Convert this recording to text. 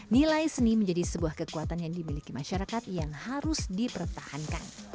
nilai seni menjadi sebuah kekuatan yang dimiliki masyarakat yang harus dipertahankan